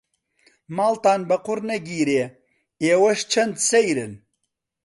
ماڵتان بە قوڕ نەگیرێ ئێوەش چەند سەیرن.